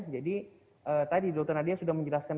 jadi tadi dr nadia sudah menjelaskan